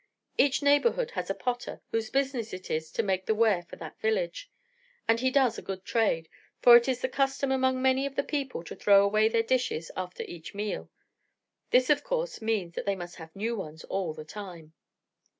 Each neighbourhood has a potter whose business it is to make the ware for that village; and he does a good trade, for it is the custom among many of the people to throw away their dishes after each meal. This of course means that they must have new ones all the time.